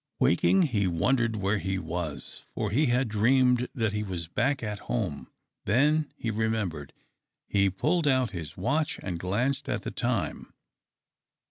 Waking, he wondered where he was, for he had dreamed that he was back at home. Then he remembered. He pulled out his watch and glanced at the time.